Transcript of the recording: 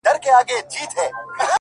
سیاه پوسي ده د مړو ورا ده;